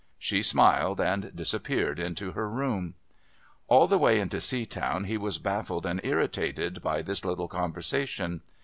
She smiled and disappeared into her room. All the way into Seatown he was baffled and irritated by this little conversation.